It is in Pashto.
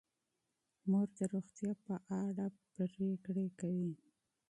مور د روغتیا په اړه پریکړې کوي.